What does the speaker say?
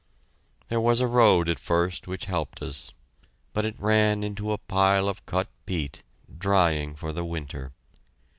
There was a road at first which helped us, but it ran into a pile of cut peat, drying for the winter.